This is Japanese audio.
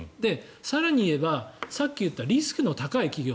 更に言えばさっき言ったリスクの高い企業